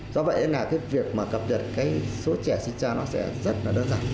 do vậy là cái việc mà cập nhật cái số trẻ sinh ra nó sẽ rất là đơn giản